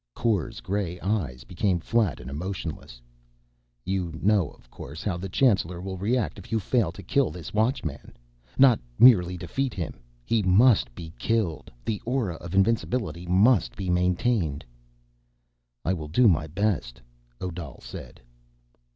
Kor's gray eyes became flat and emotionless. "You know, of course, how the Chancellor will react if you fail to kill this Watchman. Not merely defeat him. He must be killed. The aura of invincibility must be maintained." "I will do my best," Odal said.